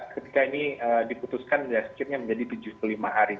ketika ini diputuskan dan seterusnya menjadi tujuh puluh lima hari